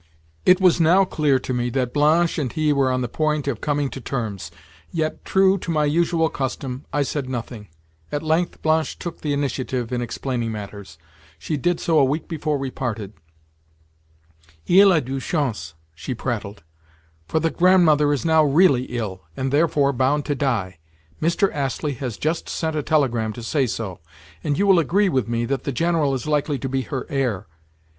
It was now clear to me that Blanche and he were on the point of coming to terms; yet, true to my usual custom, I said nothing. At length, Blanche took the initiative in explaining matters. She did so a week before we parted. "Il a de la chance," she prattled, "for the Grandmother is now really ill, and therefore, bound to die. Mr. Astley has just sent a telegram to say so, and you will agree with me that the General is likely to be her heir.